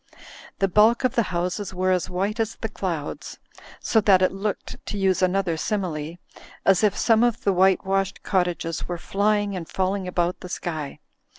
The bulk of the houses were as white as the clouds, so that it looked (to use another simile) as if some of the whitewashed cot tages were flying and falling about the sky.